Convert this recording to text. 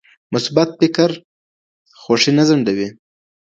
مثبت فکر خوښي نه ځنډوي.